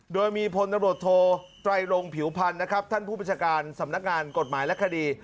โดยมีพลตำรวจโทไตรรงผิวพันธ์นะครับท่านผู้ประชาการสำนักงานกฎหมายและคดี